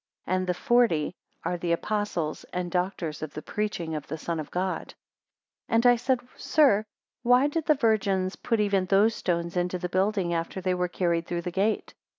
And the forty, are the Apostles and doctors of the preaching of the Son of God. 148 And I said, sir, why did the virgins put even those stones into the building after they were carried through the gate?